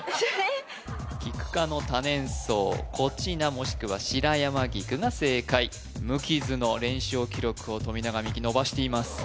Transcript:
キク科の多年草こちなもしくはしらやまぎくが正解無傷の連勝記録を富永美樹伸ばしています